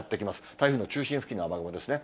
台風の中心付近の雨雲ですね。